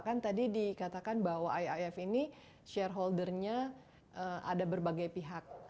kan tadi dikatakan bahwa iif ini shareholdernya ada berbagai pihak